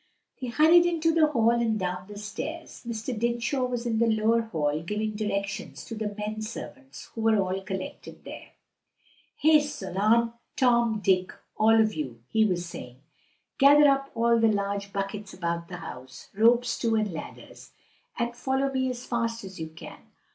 They hurried into the hall and down the stairs. Mr. Dinsmore was in the lower hall giving directions to the men servants, who were all collected there. "Haste! Solon, Tom, Dick all of you!" he was saying, "gather up all the large buckets about the house, ropes too and ladders, and follow me as fast as you can.